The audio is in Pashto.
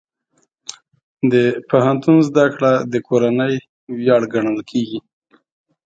د پوهنتون زده کړه د کورنۍ ویاړ ګڼل کېږي.